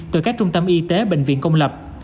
từ các trung tâm y tế bệnh viện công lập